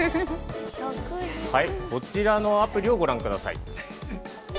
◆こちらのアプリをご覧ください。